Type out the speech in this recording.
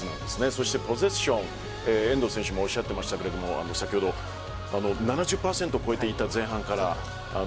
そしてポゼッション、遠藤選手もおっしゃっていましたが先ほど７０％を超えていた前半から６５％。